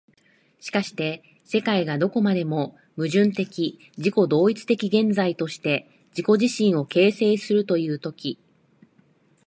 しかして世界がどこまでも矛盾的自己同一的現在として自己自身を形成するという時、